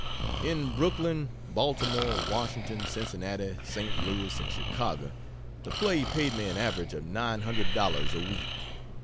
In Brooklyn, Baltimore, Washington, Cincinnati, St. Louis and Chicago, the play paid me an average of nine hundred dollars a week.